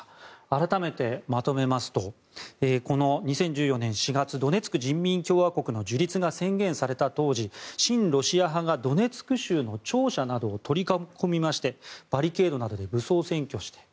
改めてまとめますとこの２０１４年４月ドネツク人民共和国の樹立が宣言された当時親ロシア派がドネツク州の庁舎などを取り囲みましてバリケードなどで武装占拠した。